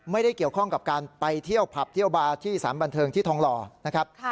ไม่ได้เกี่ยวข้องกับการไปเที่ยวผับเที่ยวบาร์ที่สารบันเทิงที่ทองหล่อนะครับ